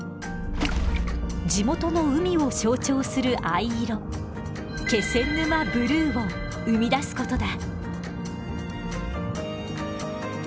地元の海を象徴する藍色気仙沼ブルーを生み出す事だ。